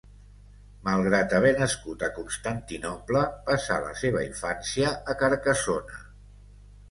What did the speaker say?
Malgrat haver nascut a Constantinoble, passà la seva infància a Carcassona.